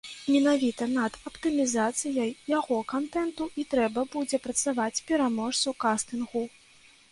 Менавіта над аптымізацыяй яго кантэнту і трэба будзе працаваць пераможцу кастынгу.